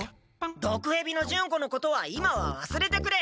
どくへびのジュンコのことは今はわすれてくれ。